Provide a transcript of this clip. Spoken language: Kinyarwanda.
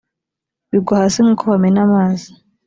bigwa hasi nk’uko bamena amazi